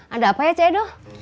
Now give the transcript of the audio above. ada apa ya cik edo